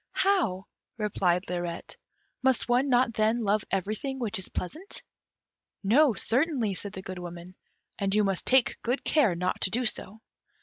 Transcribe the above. "How?" replied Lirette. "Must one not then love everything which is pleasant?" "No, certainly," said the Good Woman, "and you must take good care not to do so."